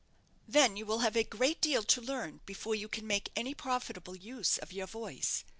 "Then you will have a great deal to learn before you can make any profitable use of your voice.